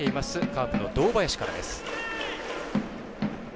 カープの堂林からです。